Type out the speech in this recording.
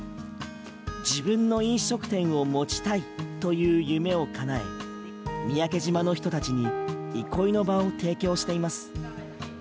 自分の飲食店を持ちたいという夢をかなえ三宅島の人たちに憩いの場を提供しています。